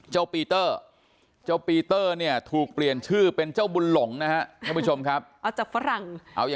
เจ้าปีเตอร์จากฝรั่งจากปีเตอร์เป็นบุญหลง